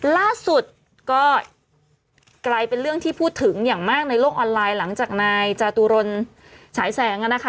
ล่าสุดก็กลายเป็นเรื่องที่พูดถึงอย่างมากในโลกออนไลน์หลังจากนายจาตุรนฉายแสงนะคะ